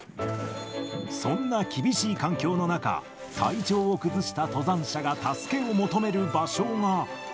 そんな厳しい環境の中、体調を崩した登山者が助けを求める場所が。